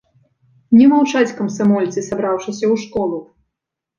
Не маўчаць камсамольцы, сабраўшыся ў школу.